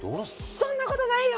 そんなことないよ！